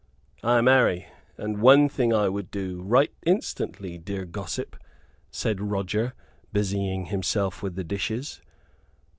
"Ay, marry; and one thing I would do, right instantly, dear gossip," said Roger, busying himself with the dishes.